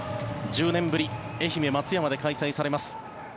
１０年ぶり愛媛・松山で開催されます。